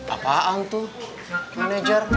apaan tuh manajer